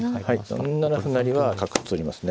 ４七歩成は角取りますね。